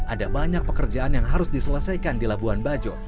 ada banyak pekerjaan yang harus diselesaikan di labuan bajo